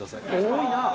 多いな！